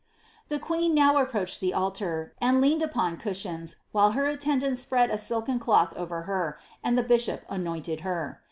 The queen now approached the altar, and leaned upon cuahiom^ while her attendants spread a silken cloth over her, and the bishop anointed her.